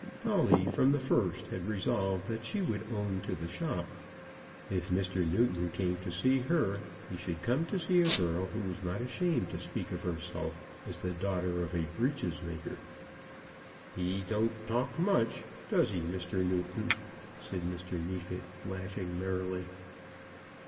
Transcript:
Polly, from the first, had resolved that she would own to the shop. If Mr. Newton came to see her, he should come to see a girl who was not ashamed to speak of herself as the daughter of a breeches maker. "He don't talk much, does he, Mr. Newton?" said Mr. Neefit, laughing merrily.